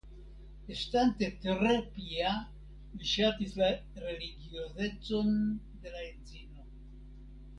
Estante tre pia li ŝatis la religiozecon de la edzino.